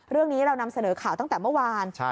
เรื่องนี้เรานำเสนอข่าวตั้งแต่เมื่อวาน